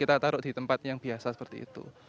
kita taruh di tempat yang biasa seperti itu